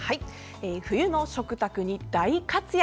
冬の食卓に大活躍。